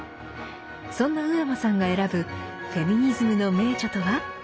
そんな上間さんが選ぶフェミニズムの名著とは。